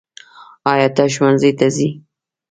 ایا ته ښؤونځي ته څې؟